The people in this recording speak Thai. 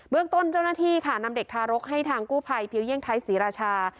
เรื่องต้นเจ้าหน้าที่ค่ะนำเด็กทารกให้ทางกู้ภัยพิวเยี่ยงไทยศรีราชา